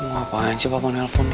ngomong apaan sih bapaknya nelfonnya